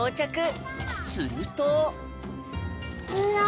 すると。